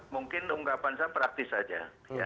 mungkin ungkapan saya praktis saja